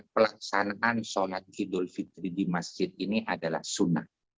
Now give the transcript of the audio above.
pelaksanaan sholat idul fitri di masjid ini adalah sunnah